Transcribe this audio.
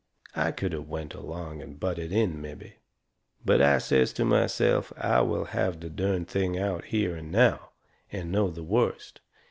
I could of went along and butted in, mebby. But I says to myself I will have the derned thing out here and now, and know the worst.